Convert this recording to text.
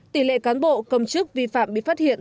tỷ lệ cán bộ công chức vi phạm bị phát hiện